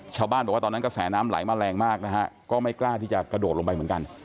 ชาวบ้านบอกว่าตอนนั้นกระแสน้ำไหลมาแรงมากนะฮะก็ไม่กล้าที่จะกระโดดลงไปเหมือนกัน